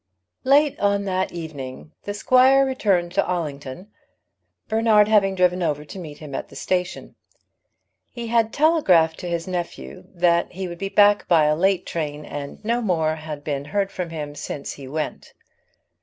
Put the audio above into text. Late on that evening the squire returned to Allington, Bernard having driven over to meet him at the station. He had telegraphed to his nephew that he would be back by a late train, and no more than this had been heard from him since he went.